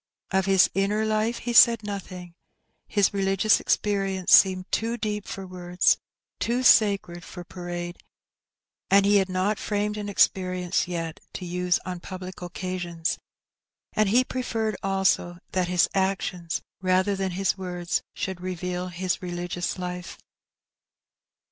Of his inner life he said nothing. His religious experience seemed too deep for words, too sacred for parade, and he had not framed an experience yet to use on public occasions, and he preferred also that his actions, rather than his words, should reveal his religious life.